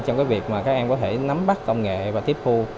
trong cái việc mà các em có thể nắm bắt công nghệ và tiếp thu